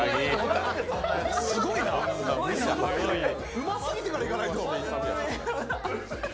うますぎてからいかないと。